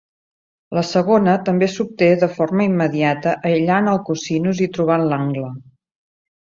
La segona també s'obté de forma immediata aïllant el cosinus i trobant l'angle.